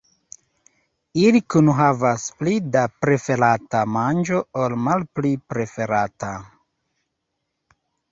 Ili kunhavas pli da preferata manĝo ol malpli preferata.